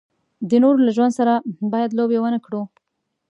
د نورو له ژوند سره باید لوبې و نه کړو.